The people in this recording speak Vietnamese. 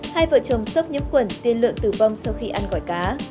hai vợ chồng sốc nhiễm khuẩn tiên lợn tử vong sau khi ăn gỏi cá